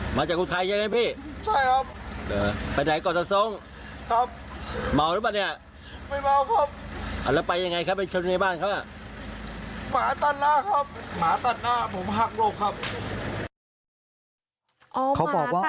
หมาตัดหน้าผมหักหลบครับ